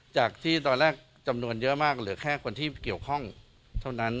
จากที่ตอนแรกจำนวนเยอะมากเหลือแค่คนที่เกี่ยวข้องเท่านั้น